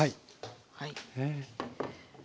はい。